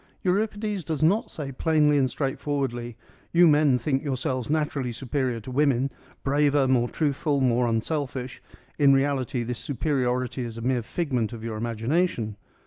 Euripides does not say plainly and straightforwardly ' You men think yourselves naturally superior to women : braver, more truthful, more unselfish : in reality this superi ority is a mere figment of your imagination.'